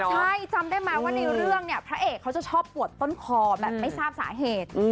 ใช่จำได้ไหมว่าในเรื่องเนี่ยพระเอกเขาจะชอบปวดต้นคอแบบไม่ทราบสาเหตุ